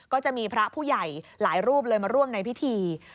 ก็จะมีพระผู้ใหญ่หลายรูปเลยมาร่วมในพิธี